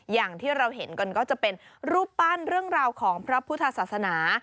อย่างที่เราเห็นกันก็จะเป็นรูปปั้นเรื่องราวของพระพุทธศาสนา